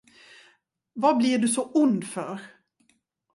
Vad blir du så ond för?